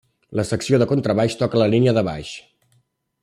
La secció de contrabaix toca la línia de baix.